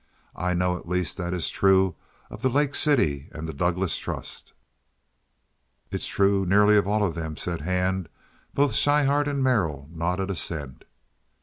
I know at least that this is true of the Lake City and the Douglas Trust." "It's true of nearly all of them," said Hand. Both Schryhart and Merrill nodded assent.